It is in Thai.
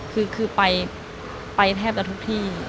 คือไปแทบจะทุกที่